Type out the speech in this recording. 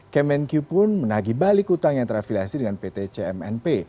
kemen q pun menagih balik hutang yang terafilasi dengan pt cmnp